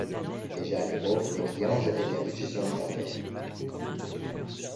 Déjà à l'époque des clients étaient des riches hommes d'affaires.